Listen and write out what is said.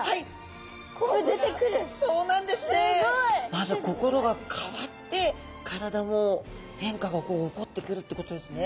まず心が変わって体も変化がこう起こってくるってことですね。